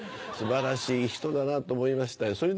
素晴らしい人だなと思いましたよ。